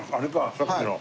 さっきの。